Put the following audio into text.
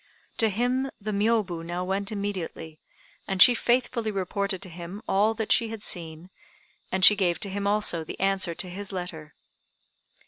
To him the Miôbu now went immediately, and she faithfully reported to him all that she had seen, and she gave to him also the answer to his letter.